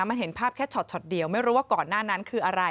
มันเห็นภาพแค่ช็อตเดียวไม่รู้ว่าก่อนหน้านั้นคืออะไร